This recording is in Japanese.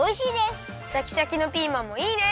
シャキシャキのピーマンもいいね！